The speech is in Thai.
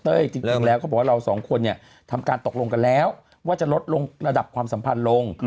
จริงแล้วเขาบอกว่าเราสองคนเนี่ยทำการตกลงกันแล้วว่าจะลดลงระดับความสัมพันธ์ลง